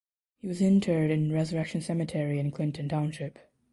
He was interred in Resurrection Cemetery in Clinton Township.